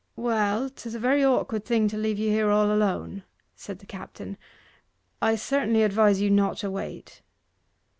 'Well, 'tis a very awkward thing to leave you here all alone,' said the captain. 'I certainly advise you not to wait.